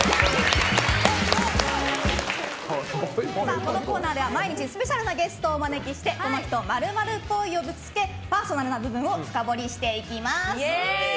このコーナーでは毎日スペシャルなゲストをお迎えして、この人○○っぽいという質問をぶつけパーソナルな部分を深掘りしていきます。